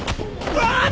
あっ。